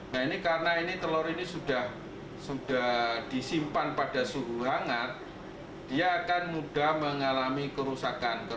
nah ini karena ini telur ini sudah disimpan pada suhu hangat dia akan mudah mengalami kerusakan